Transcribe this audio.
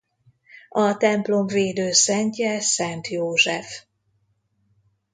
A templom védőszentje Szent József.